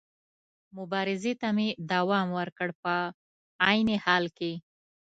مبارزې ته مې دوام ورکړ، په عین حال کې.